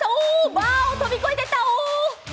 バーを飛び越えていった。